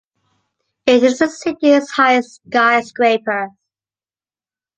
it is the city’s highest skyscraper.